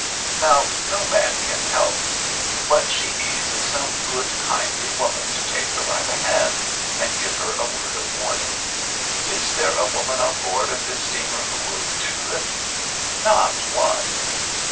Now, no man can help. What she needs is some good kindly woman to take her by the hand and give her a word of warning. Is there a woman on board of this steamer who will do it? Not one.